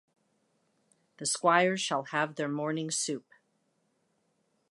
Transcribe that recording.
The squires shall have their morning soup.